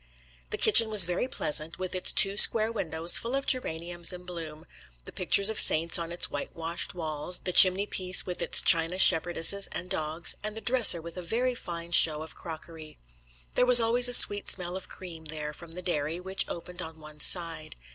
The kitchen was very pleasant, with its two square windows full of geraniums in bloom, the pictures of saints on its white washed walls, the chimney piece with its china shepherdesses and dogs, and the dresser with a very fine show of crockery. There was always a sweet smell of cream there from the dairy, which opened on one side.